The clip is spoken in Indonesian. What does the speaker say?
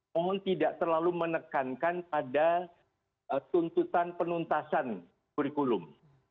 mohon tidak terlalu menekankan pada tuntutan penuntasan kurikulum